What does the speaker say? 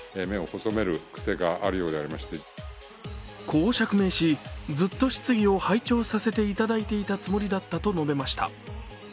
こう釈明し、ずっと質疑を拝聴させていただいたつもりだったと述べました。